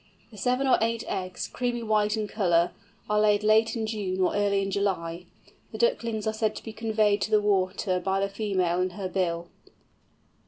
The seven or eight eggs, creamy white in colour, are laid late in June or early in July. The ducklings are said to be conveyed to the water by the female in her bill.